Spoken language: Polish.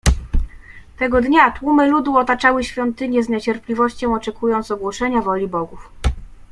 "Tego dnia tłumy ludu otaczały świątynię, z niecierpliwością oczekując ogłoszenia woli bogów."